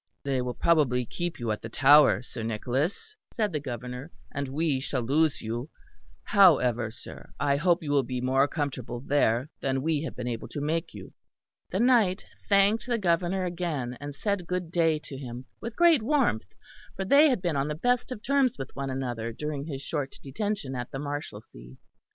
"They will probably keep you at the Tower, Sir Nicholas," said the Governor, "and we shall lose you. However, sir, I hope you will be more comfortable there than we have been able to make you." The knight thanked the Governor again, and said good day to him with great warmth; for they had been on the best of terms with one another during his short detention at the Marshalsea.